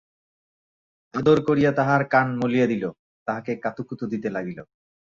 আদর করিয়া তাহার কান মলিয়া দিল, তাহাকে কাতুকুতু দিতে লাগিল।